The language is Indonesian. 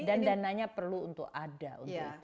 dan dananya perlu untuk ada untuk itu